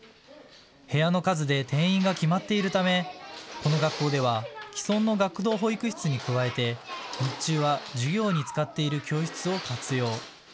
部屋の数で定員が決まっているため、この学校では既存の学童保育室に加えて日中は授業に使っている教室を活用。